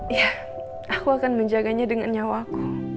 iya aku akan menjaganya dengan nyawa aku